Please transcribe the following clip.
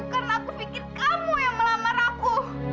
karena aku pikir kamu yang melamar aku